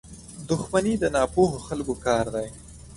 • دښمني د ناپوهو خلکو کار دی.